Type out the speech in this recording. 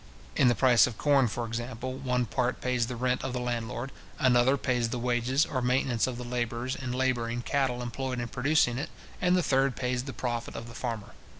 In the price of corn, for example, one part pays the rent of the landlord, another pays the wages or maintenance of the labourers and labouring cattle employed in producing it, and the third pays the profit of the farmer.